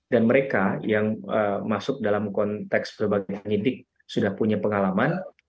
mereka yang masuk dalam konteks berbagai penyidik sudah punya pengalaman